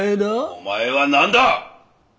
お前は何だ！